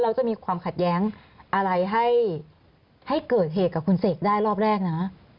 จะมีความขัดแย้งอะไรให้เกิดเหตุกับคุณเสกได้รอบแรกนะ